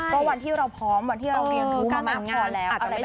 ว่าวันที่เราพร้อมวันที่เราเรียนทุกข์มามากกว่าแล้วก็ไม่ได้แบบนี้